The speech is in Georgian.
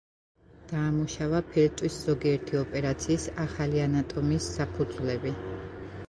დაამუშავა ფილტვის ზოგიერთი ოპერაციის ახალი ანატომიის საფუძვლები.